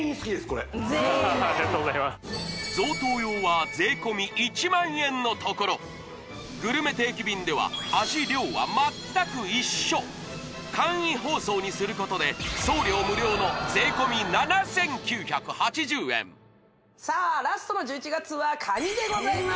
これ・全員ありがとうございますのところグルメ定期便では簡易包装にすることで送料無料の税込７９８０円さあラストの１１月はカニでございます！